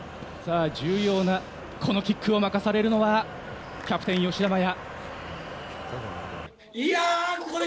重要なこのキックを任されるのはキャプテン、吉田麻也。